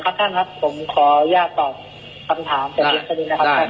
ครับท่านครับผมขออนุญาตตอบคำถามเฉพาะนิดหนึ่งนะครับ